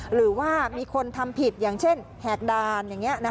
หรือว่ามีคนทำผิดอย่างเช่นแหกดาล